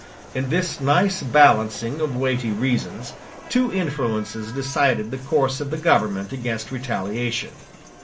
In this nice balancing of weighty reasons, two influences decided the course of the government against retaliation.